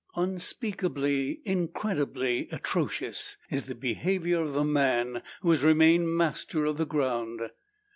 Unspeakably, incredibly atrocious is the behaviour of the man who has remained master of the ground.